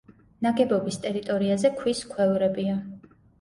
ნაგებობის ტერიტორიაზე ქვის ქვევრებია.